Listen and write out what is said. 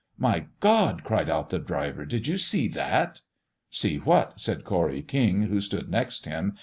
"My God!" cried out the driver, "did you see that?" "See what?" said Corry King, who stood next him.